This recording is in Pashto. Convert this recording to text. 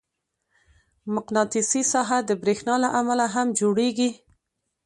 مقناطیسي ساحه د برېښنا له امله هم جوړېږي.